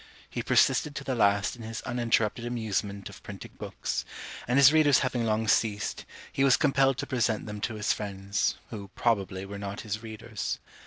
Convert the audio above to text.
He persisted to the last in his uninterrupted amusement of printing books; and his readers having long ceased, he was compelled to present them to his friends, who, probably, were not his readers.